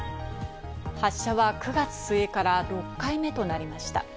発射は９月末から６回目となりました。